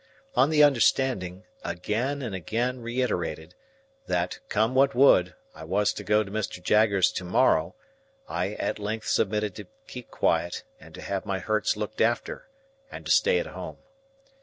On the understanding, again and again reiterated, that, come what would, I was to go to Mr. Jaggers to morrow, I at length submitted to keep quiet, and to have my hurts looked after, and to stay at home.